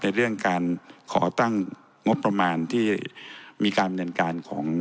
เรื่องการขอตั้งงบประมาณที่มีการดำเนินการของ